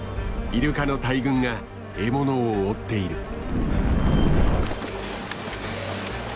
イルカの大群が獲物を追っている。